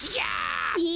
え！